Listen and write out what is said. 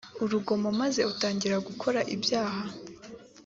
urugomo maze utangira gukora ibyaha